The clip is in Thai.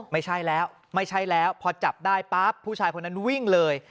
ไม่ใช่แล้วพอจับได้ปั๊บผู้ชายคนนั้นวิ่งเลย